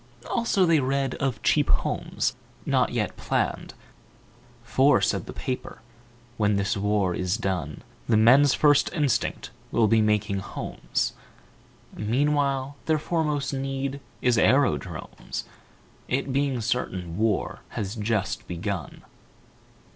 Also, they read of Cheap Homes, not yet planned; For, said the paper, "When this war is done The men's first instinct will be making homes. Meanwhile their foremost need is aerodromes, It being certain war has just begun.